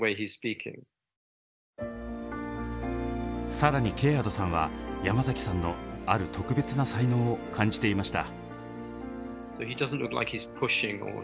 更にケアードさんは山崎さんのある特別な才能を感じていました。